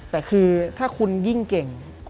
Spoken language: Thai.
แต่คือถ้าคุณยิ่งเก่ง